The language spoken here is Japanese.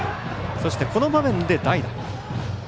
そして、この場面で代打。